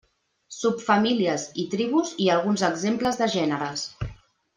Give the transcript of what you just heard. Subfamílies i tribus i alguns exemples de gèneres.